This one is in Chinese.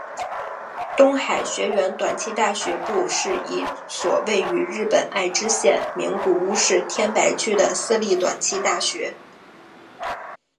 东海学园短期大学部是一所位于日本爱知县名古屋市天白区的私立短期大学。